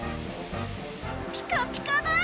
ピカピカだ！